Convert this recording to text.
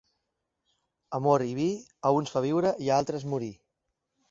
Amor i vi, a uns fa viure i a altres morir.